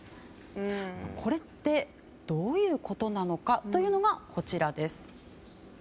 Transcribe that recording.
これって、どういうことなのかというのがこちらです。